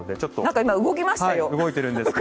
なんか今動きましたよ。